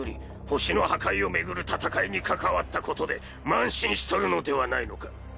地球の破壊を巡る戦いに関わったことで慢心しとるのではないのか？